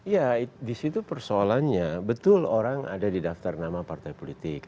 ya disitu persoalannya betul orang ada di daftar nama partai politik